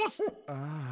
ああ。